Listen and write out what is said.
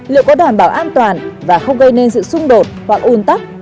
liệu có đảm bảo an toàn và không gây nên sự xung đột hoặc un tắc